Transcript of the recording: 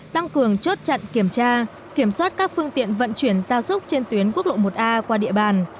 tăng cường chốt chặn kiểm tra kiểm soát các phương tiện vận chuyển gia súc trên tuyến quốc lộ một a qua địa bàn